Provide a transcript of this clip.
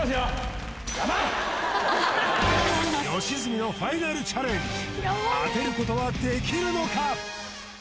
良純のファイナルチャレンジ当てることはできるのか